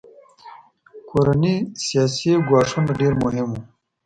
کورني سیاسي ګواښونه ډېر مهم وو.